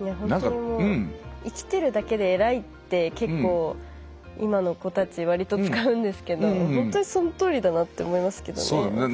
本当生きてるだけで偉いって結構、今の子たちわりと使うんですけど本当にそのとおりだなって思いますけどね、私。